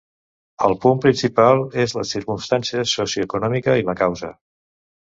El punt principal és la circumstància socioeconòmica i la causa.